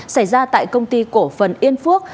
xảy ra tại công ty cổ phần yên phước